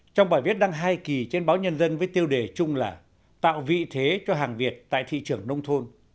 trong bài viết đăng hai kỳ trên báo nhân dân với tiêu đề chung là tạo vị thế cho hàng việt tại thị trường nông thôn